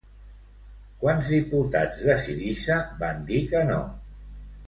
Quants diputats de Syriza van dir que no?